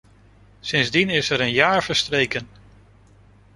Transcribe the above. Sindsdien is er een jaar verstreken.